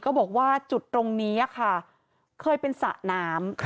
บอกว่าจุดตรงนี้ค่ะเคยเป็นสระน้ำ